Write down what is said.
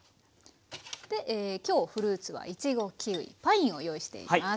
今日フルーツはイチゴキウイパインを用意しています。